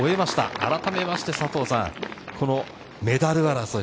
あらためまして佐藤さん、メダル争い。